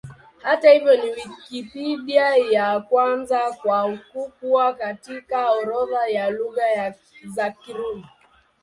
Hata hivyo, ni Wikipedia ya kwanza kwa ukubwa katika orodha ya Lugha za Kirumi.